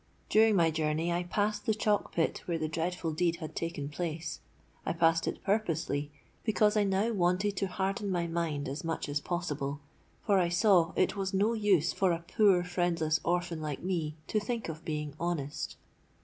During my journey I passed the chalk pit where the dreadful deed had taken place—I passed it purposely, because I now wanted to harden my mind as much as possible, for I saw it was no use for a poor friendless orphan like me to think of being honest.